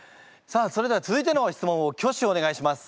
さあそれでは続いての質問を挙手お願いします。